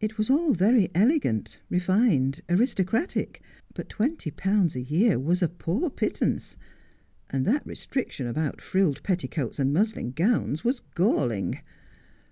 It was all very elegant, refined, aristocratic ; but twenty pounds a year was a poor pittance ; and that restriction about frilled petticoats and muslin gowns was galling.